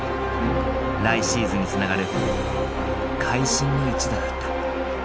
来シーズンにつながる会心の一打だった。